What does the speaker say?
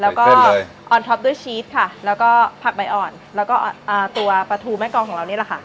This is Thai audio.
แล้วก็ออนท็อปด้วยชีสค่ะแล้วก็ผักใบอ่อนแล้วก็ตัวปลาทูแม่กองของเรานี่แหละค่ะ